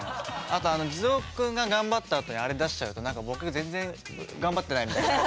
あとあの地蔵君が頑張ったあとにあれ出しちゃうと何か僕全然頑張ってないみたいな。